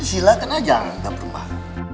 silakan aja angkat rumah